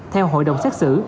theo hội đồng xét xử